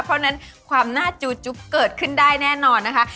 เพราะฉะนั้นความหน้าจูจุ๊บเกิดขึ้นได้แน่นอนนะคะ